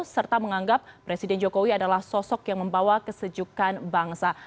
serta menganggap presiden jokowi adalah sosok yang membawa kesejukan bangsa